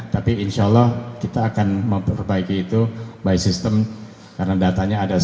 tapi insya allah kita akan memperbaiki itu by system karena datanya ada satu